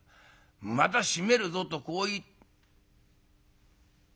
『また締めるぞ』とこう言」。